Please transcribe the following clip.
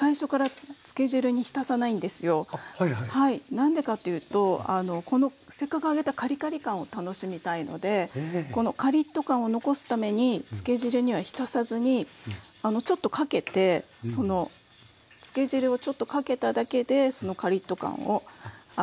何でかっていうとこのせっかく揚げたカリカリ感を楽しみたいのでこのカリッと感を残すためにつけ汁には浸さずにちょっとかけてそのつけ汁をちょっとかけただけでそのカリッと感を楽しんで下さい。